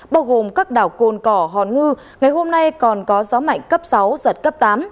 bao gồm các đảo côn cỏ hòn ngư ngày hôm nay còn có gió mạnh cấp sáu giật cấp tám